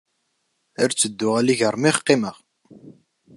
Ar ttedduɣ allig ṛmiɣ, qqimeɣ.